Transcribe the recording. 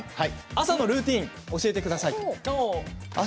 朝のルーティンを教えてください。